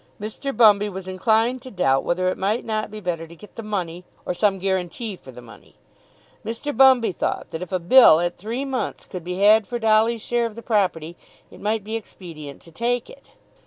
Mr. Bumby was inclined to doubt whether it might not be better to get the money, or some guarantee for the money. Mr. Bumby thought that if a bill at three months could be had for Dolly's share of the property it might be expedient to take it.